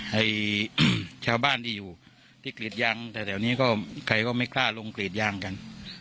ให้ชาวบ้านที่อยู่ที่กรีดยางแต่แถวนี้ก็ใครก็ไม่กล้าลงกรีดยางกัน